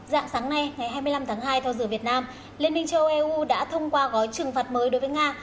dạng sáng nay ngày hai mươi năm tháng hai thòa giữa việt nam liên minh châu âu eu đã thông qua gói trừng phạt mới đối với nga